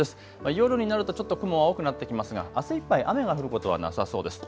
夜になるとちょっと雲は多くなってきますがあすいっぱい雨が降ることはなさそうです。